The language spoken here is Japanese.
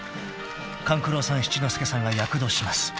［勘九郎さん七之助さんが躍動します］